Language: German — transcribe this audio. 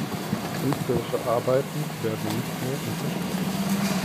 Künstlerische Arbeiten werden nicht mehr unterstützt.